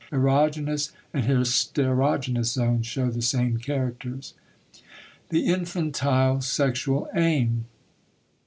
Erogenous and hysterogenous zones show the same characters. *The Infantile Sexual Aim.